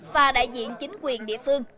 và đại diện chính quyền địa phương